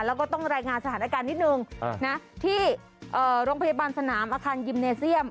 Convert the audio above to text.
แล้วก็ต้องรายงานสถานการณ์นิดนึงที่โรงพยาบาลสนามอาคารยิมเนเซียม